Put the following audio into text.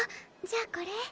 じゃあこれ。